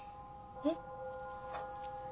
えっ？